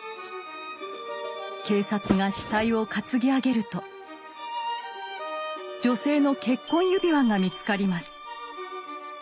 警察が死体を担ぎ上げると女性の結婚指輪が見つかります。